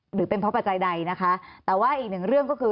หรือเป็นเพราะปัจจัยใดนะคะแต่ว่าอีกหนึ่งเรื่องก็คือ